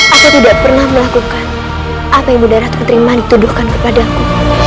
aku tidak pernah melakukan apa yang ibu daratku terima dituduhkan kepada aku